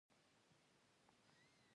تقریبا هره کرښه یې مستنده ده.